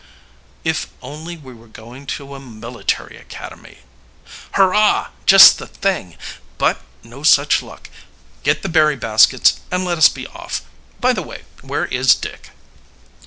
"If only we were going to a military academy!" "Hurrah! Just the thing! But no such luck. Get the berry baskets and let us be off. By the way, where is Dick?"